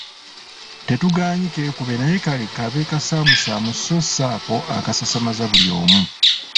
Tetugaanye keekube naye kale kabe kasaamusaamu so si ako akasasamaza buli omu.